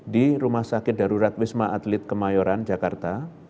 di rumah sakit darurat wisma atlet kemayoran jakarta